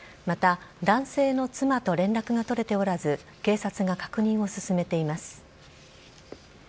また、男性の妻と連絡が取れておらず、警察が確認を進めています。